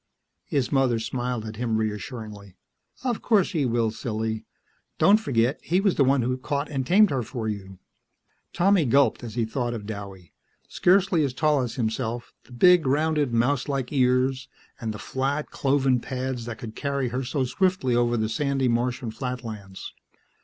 His mother smiled at him reassuringly. "Of course he will, silly. Don't forget he was the one who caught and tamed her for you." Tommy gulped as he thought of Douwie. Scarcely as tall as himself; the big, rounded, mouselike ears, and the flat, cloven pads that could carry her so swiftly over the sandy Martian flatlands.